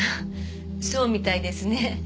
そうみたいですね。